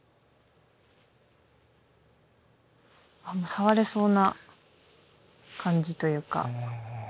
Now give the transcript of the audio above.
もう触れそうな感じというか。